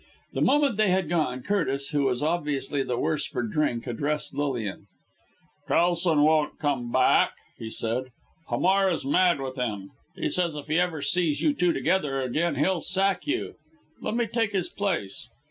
The moment they had gone, Curtis, who was obviously the worse for drink, addressed Lilian. "Kelson won't come back," he said. "Hamar is mad with him. He says if he ever sees you two together again he'll sack you. Let me take his place!"